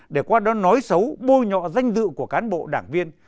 để qua đó nói xấu bôi nhọ danh dự của cán bộ đảng viên